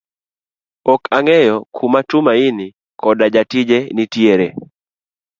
okang'eyo kuma Tumaini koda jatije nitiere.